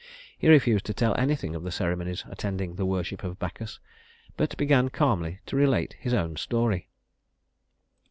He refused to tell anything of the ceremonies attending the worship of Bacchus, but began calmly to relate his own story.